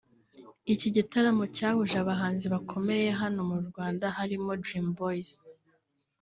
Iki gitaramo cyahuje abahanzi bakomeye hano mu Rwanda barimo Dream Boys